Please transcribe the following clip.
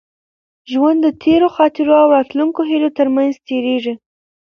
ژوند د تېرو خاطرو او راتلونکو هیلو تر منځ تېرېږي.